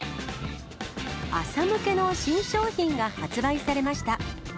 朝向けの新商品が発売されました。